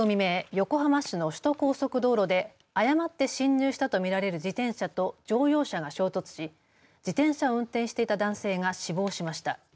横浜市の首都高速道路で誤って進入したと見られる自転車と乗用車が衝突し自転車を運転していた男性が死亡しました。